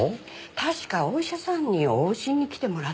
確かお医者さんに往診に来てもらってるって言ってた。